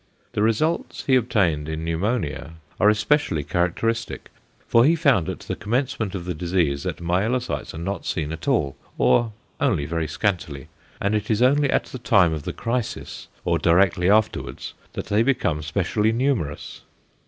The results he obtained in pneumonia are especially characteristic, for he found at the commencement of the disease that myelocytes are not seen at all or only very scantily: and it is only at the time of the crisis, or directly afterwards, that they become specially numerous.